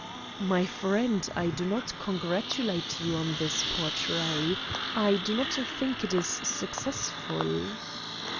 "My friend, I do not congratulate you on this portrait. I do not think it is successful."